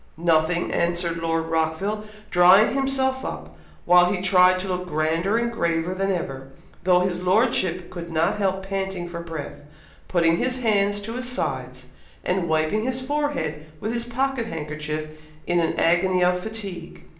"Nothing!" answered Lord Rockville, drawing himself up, while he tried to look grander and graver than ever, though his Lordship could not help panting for breath putting his hands to his sides and wiping his forehead with his pocket handkerchief in an agony of fatigue.